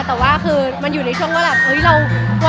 แต่มันอยู่ในช่วงว่าเราไหวมั้ยอะไรอย่างนี้ค่ะ